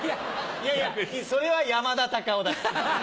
いやいやそれは山田隆夫だ。